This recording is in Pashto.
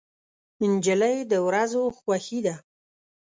نجلۍ د ورځو خوښي ده.